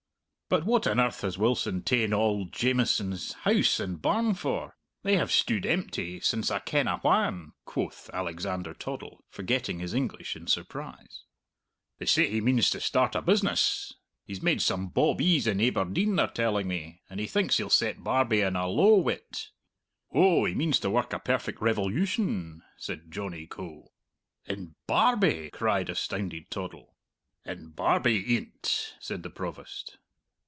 "But what on earth has Wilson ta'en auld Jamieson's house and barn for? They have stude empty since I kenna whan," quoth Alexander Toddle, forgetting his English in surprise. "They say he means to start a business! He's made some bawbees in Aiberdeen, they're telling me, and he thinks he'll set Barbie in a lowe wi't." "Ou, he means to work a perfect revolution," said Johnny Coe. "In Barbie!" cried astounded Toddle. "In Barbie e'en't," said the Provost.